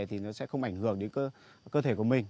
thì nó sẽ không ảnh hưởng đến cơ thể của mình